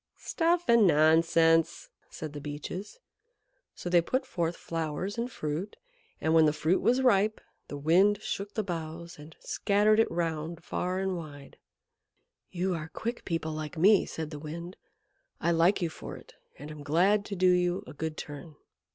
"Stuff and nonsense!" said the Beeches. So they put forth flowers and fruit, and when the fruit was ripe the Wind shook the boughs and scattered it round far and wide. "You are quick people like me," said the Wind. "I like you for it, and am glad to do you a good turn."